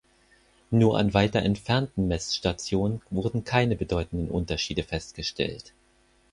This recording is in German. Nur an weiter entfernten Messstationen wurden keine bedeutenden Unterschiede festgestellt.